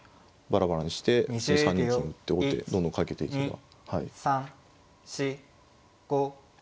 バラバラにして３二金打って王手どんどんかけていけば。